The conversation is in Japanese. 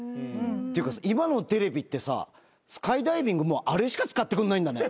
ていうか今のテレビってさスカイダイビングあれしか使ってくんないんだね。